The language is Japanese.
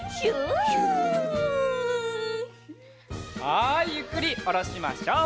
はいゆっくりおろしましょう。